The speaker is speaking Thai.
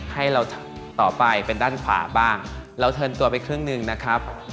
ให้เราต่อไปเป็นด้านขวาบ้างเราเทินตัวไปครึ่งหนึ่งนะครับ